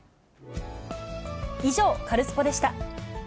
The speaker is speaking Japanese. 以上、カルスポっ！でした。